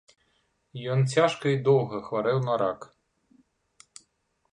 Ён цяжка і доўга хварэў на рак.